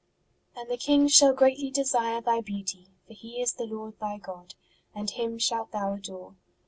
And the King shall greatly desire thy beauty : for He is the Lord thy God, and Him shalt thou adore.